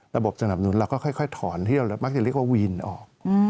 ระบบสนับหนุนเราก็ค่อยถอนที่เรามักจะเรียกว่าวีนออก